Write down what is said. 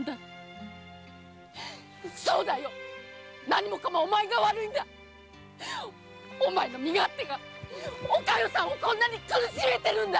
何もかもお前が悪いんだお前の身勝手がお加代さんをこんなに苦しめてるんだ